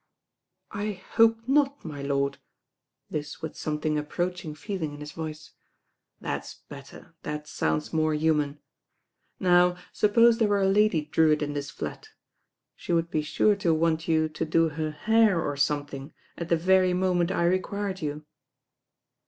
"I hope not, my lord," this with something ap proaching feeling in his voice. "That's better, that sounds more human. Now, suppose there were a Lady Drewitt in this flat. She would be sure to want you to do her hair or some thing at the very mordent I required you."